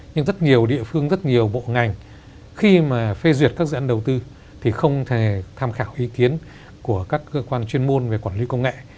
nhưng rất nhiều địa phương rất nhiều bộ ngành khi mà phê duyệt các dự án đầu tư thì không thể tham khảo ý kiến của các cơ quan chuyên môn về quản lý công nghệ